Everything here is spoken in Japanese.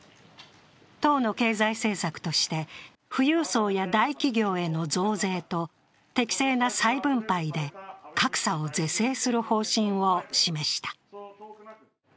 党の経済政策として富裕層や大企業への増税と、適正な再分配で格差を是正する方針を示した。